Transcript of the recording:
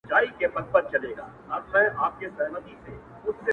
راسه چي زړه مي په لاسو کي درکړم ـ